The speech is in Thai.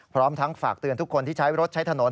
พร้อมทั้งฝากเตือนทุกคนที่ใช้รถใช้ถนน